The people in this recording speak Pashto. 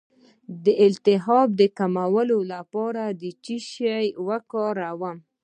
د التهاب د کمولو لپاره باید څه شی وکاروم؟